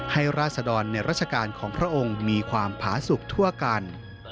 ราศดรในราชการของพระองค์มีความผาสุขทั่วกัน